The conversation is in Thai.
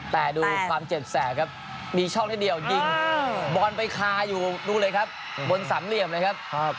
แต่ดูความเจ็ดแสนครับมีช่องนิดเดียวยิงบอลไปคาอยู่ดูเลยครับบนสามเหลี่ยมเลยครับ